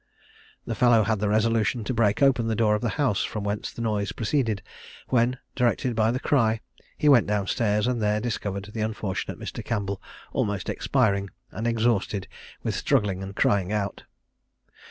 The fellow had the resolution to break open the door of the house from whence the noise proceeded, when, directed by the cry, he went down stairs, and there discovered the unfortunate Mr. Campbell almost expiring, and exhausted with struggling and crying out.